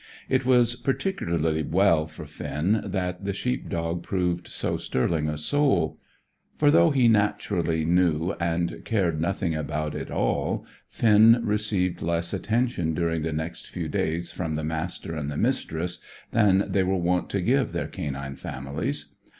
It was particularly well for Finn that the sheep dog proved so sterling a soul; for, though he naturally knew and cared nothing about it all, Finn received less attention during the next few days from the Master and the Mistress than they were wont to give their canine families.